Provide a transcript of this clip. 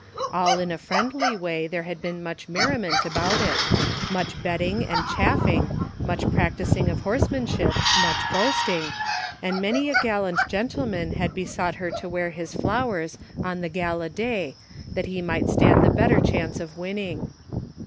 AH in a friendly way there had been much merriment about it, much betting and chaffing, much practising of horse^ manship, much boasting, and many a gallant gentle man had besought her to wear his flowers on the gala day that he might stand the better chance of winning.